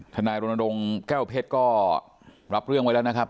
นายรณรงค์แก้วเพชรก็รับเรื่องไว้แล้วนะครับ